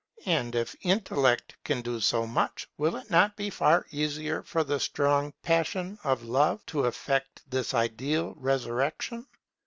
And if intellect can do so much, will it not be far easier for the strong passion of Love to effect this ideal resurrection?